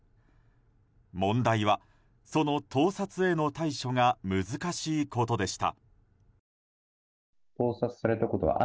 問題は、その盗撮への対処が難しいことでした。